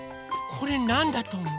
これなんだとおもう？